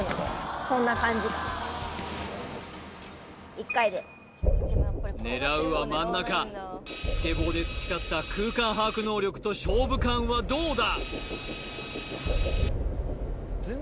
１回で狙うは真ん中スケボーで培った空間把握能力と勝負勘はどうだ？